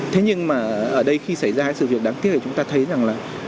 thế nhưng mà ở đây khi xảy ra sự việc đáng tiếc thì chúng ta thấy rằng là